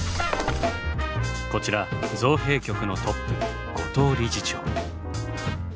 こちら造幣局のトップ後藤理事長。